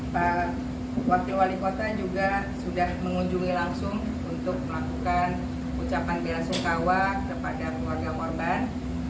pak wali kota juga sudah mengunjungi langsung untuk melakukan ucapan berasukawa kepada keluarga morban